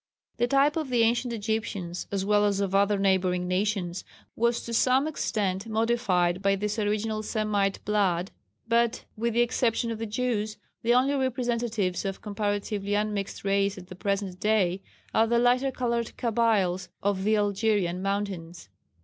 The type of the ancient Egyptians, as well as of other neighbouring nations, was to some extent modified by this original Semite blood; but with the exception of the Jews, the only representatives of comparatively unmixed race at the present day are the lighter coloured Kabyles of the Algerian mountains.